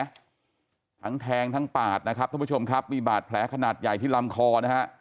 ทั้งแทงทั้งปาดทุกผู้ชมครับมีบาดแผลขนาดใหญ่ที่ลำคล